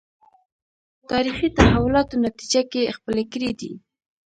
تاریخي تحولاتو نتیجه کې خپلې کړې دي